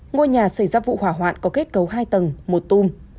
ngôi nhà xảy ra vụ hỏa hoạn có kết cấu hai tầng một tung